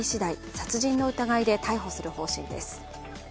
殺人の疑いで逮捕する方針です。